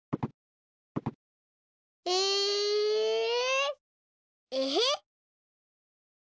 ええへっ。